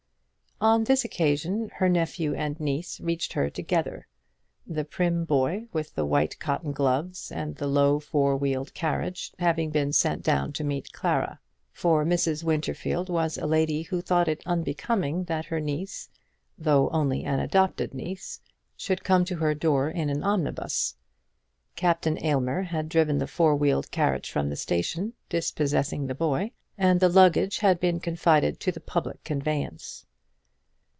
On this occasion her nephew and niece reached her together; the prim boy, with the white cotton gloves and the low four wheeled carriage, having been sent down to meet Clara. For Mrs. Winterfield was a lady who thought it unbecoming that her niece, though only an adopted niece, should come to her door in an omnibus. Captain Aylmer had driven the four wheeled carriage from the station, dispossessing the boy, and the luggage had been confided to the public conveyance.